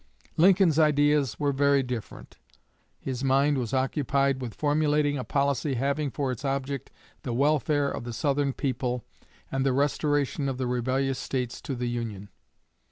Lincoln's ideas were very different. His mind was occupied with formulating a policy having for its object the welfare of the Southern people and the restoration of the rebellious States to the Union.